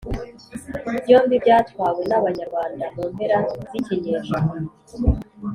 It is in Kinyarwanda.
byombi byatwawe n'abanyarwanda mu mpera z'ikinyejana